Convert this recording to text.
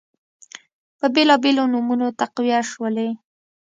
په بیلابیلو نومونو تقویه شولې